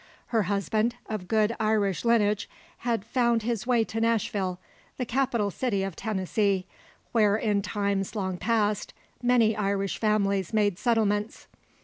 Her husband, of good Irish lineage, had found his way to Nashville, the capital city of Tennessee; where, in times long past, many Irish families made settlements.